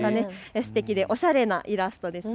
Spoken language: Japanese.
すてきでおしゃれなイラストですね。